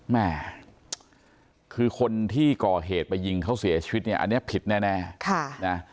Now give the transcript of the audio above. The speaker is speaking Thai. แม่คือคนที่ก่อเหตุไปยิงเขาเสียชีวิตเนี่ยอันนี้ผิดแน่ค่ะนะ